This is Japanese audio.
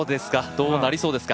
どうなりそうですか？